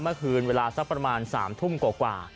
เมื่อคืนเวลาสักประมาณ๓ทุ่มกว่า